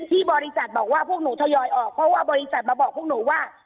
ที่บริษัทบอกว่าพวกหนูทยอยออกเพราะว่าบริษัทมาบอกพวกหนูว่า